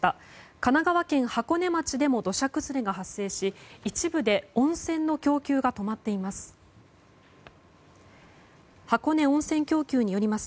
神奈川県箱根町でも土砂崩れが発生し一部で温泉の供給が止まっています。